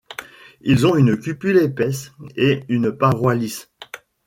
Ils ont une cupule épaisse et une paroi lisse.